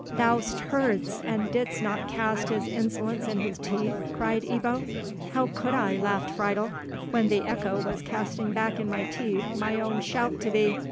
"Thou heardst! and didst not cast his insolence in his teeth?" cried Ebbo. "How could I," laughed Friedel, "when the echo was casting back in my teeth my own shout to thee?